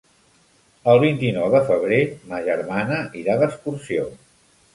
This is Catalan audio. El vint-i-nou de febrer ma germana irà d'excursió.